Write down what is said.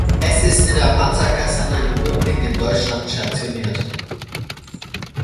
Es ist in der Panzerkaserne in Böblingen in Deutschland stationiert.